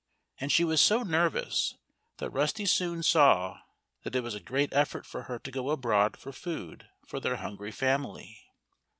And she was so nervous that Rusty soon saw that it was a great effort for her to go abroad for food for their hungry family.